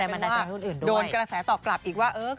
มันแทนทุ่นอื่นด้วย